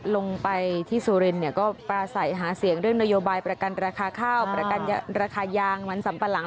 ลงไปที่สุรินเนี่ยก็ปราศัยหาเสียงเรื่องนโยบายประกันราคาข้าวประกันราคายางมันสัมปะหลัง